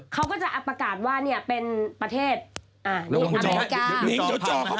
เขาก็จะประกาศว่าเป็นประเทศอเมริกา